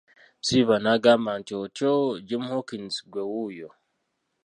Silver n'agamba nti otyo Jim Hawkins ggwe wuuyo!